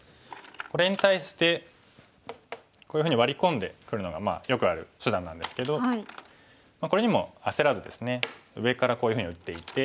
これに対してこういうふうにワリ込んでくるのがよくある手段なんですけどこれにも焦らずですね上からこういうふうに打っていて。